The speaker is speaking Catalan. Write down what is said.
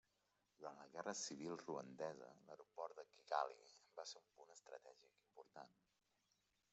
Durant la Guerra Civil Ruandesa, l'aeroport de Kigali va ser un punt estratègic important.